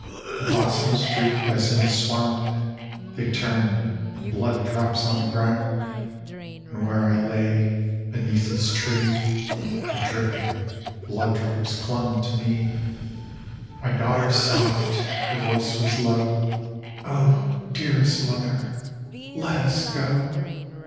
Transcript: The blossoms drooped as in a swound ; They turned to blood drops on the ground ; And where I lay, beneath his tree, The dripping blood drops clung to me. 1 6 THE WOOD DEMON . VII. My daughter sobbed, her voice was low :" O dearest Mother, let us go